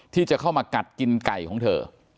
ที่จะเข้ามากัดกินไก่ของเธอ